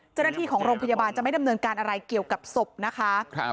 เจ้าหน้าที่ของโรงพยาบาลจะไม่ดำเนินการอะไรเกี่ยวกับศพนะคะ